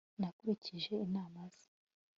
nakurikije inama ze